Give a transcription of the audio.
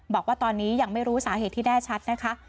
บอกว่าตอนนี้ยังไม่รู้สาเหตุที่แน่ชัดนะคะ